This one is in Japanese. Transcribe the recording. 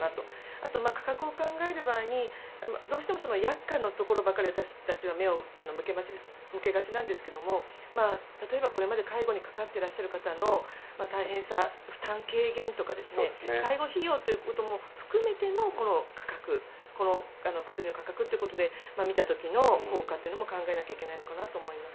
あと、価格を考える場合に薬価のところばかりに私たちは目を向けがちなんですが例えば、これまで介護に関わっている方の大変さ、負担軽減とか介護費用ということも含めてのこの薬の価格ということで見た時の効果も考えなきゃいけないのかなと思います。